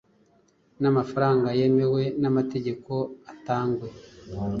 namafaranga yemewe namategeko atangwe